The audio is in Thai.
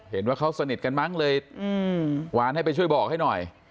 เห็นว่าเขาสนิทกันมั้งเลยวานให้ไปช่วยบอกให้หน่อย